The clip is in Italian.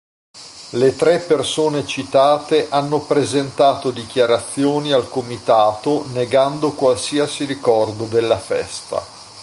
Le tre persone citate hanno presentato dichiarazioni al Comitato "negando qualsiasi ricordo della festa".